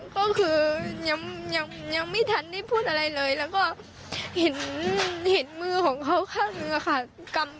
ก็คือยังไม่ทันได้พูดอะไรเลยแล้วก็เห็นมือของเขาข้างหนึ่งอะค่ะ